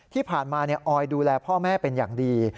ที่ผ่านมาออยดูแลพ่อแม่เป็นอย่างดี